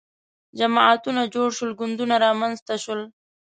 جماعتونه جوړ شول ګوندونه رامنځته شول